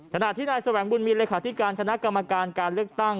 ขณะที่นายแสวงบุญมีเลขาธิการคณะกรรมการการเลือกตั้ง